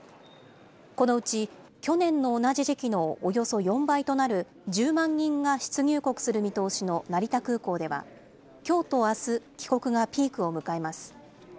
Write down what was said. このうち去年の同じ時期のおよそ４倍となる１０万人が出入国する見通しの成田空港では、きょうとあす、帰国がピークを迎えます。